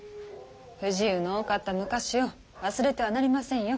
不自由の多かった昔を忘れてはなりませんよ。